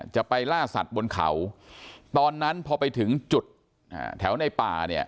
จะไปล่าสัตว์บนเขาตอนนั้นพอไปถึงจุดแถวในป่าเนี่ย